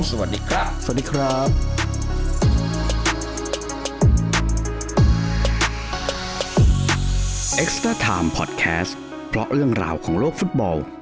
สวัสดีครับ